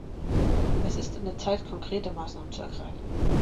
Es ist an der Zeit, konkrete Maßnahmen zu ergreifen.